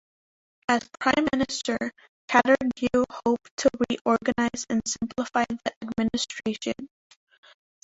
As prime minister, Catargiu hoped to reorganize and simplify the administration.